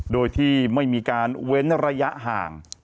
โดยที่ไม่มีการเว้นระยะห่าง